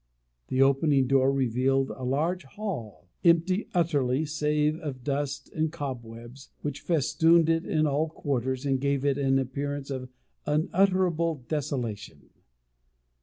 The opening door revealed a large hall, empty utterly, save of dust and cobwebs, which festooned it in all quarters, and gave it an appearance of unutterable desolation.